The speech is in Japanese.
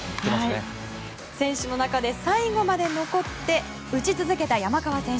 選手の中で最後まで残って打ち続けた山川選手。